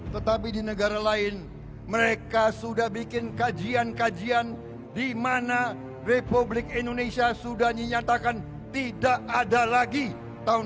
tetapi di negara lain mereka sudah bikin kajian kajian di mana republik indonesia sudah menyatakan tidak ada lagi tahun dua ribu